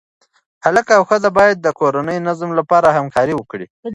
هلک او ښځه باید د کورني نظم لپاره همکاري وکړي.